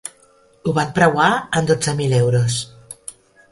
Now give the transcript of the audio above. Ho van preuar en dotze mil euros.